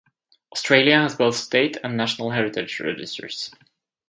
Australia has both state and national heritage registers.